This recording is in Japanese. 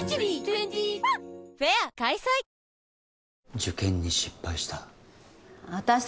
受験に失敗した？